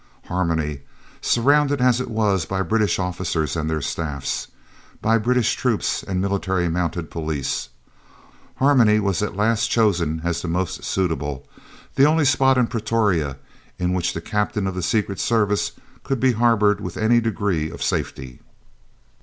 Harmony, surrounded as it was by British officers and their staffs, by British troops and Military Mounted Police Harmony was at last chosen as the most suitable, the only spot in Pretoria in which the Captain of the Secret Service could be harboured with any degree of safety.